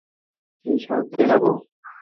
কী সারতে যাব?